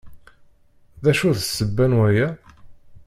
D acu d ssebba n waya?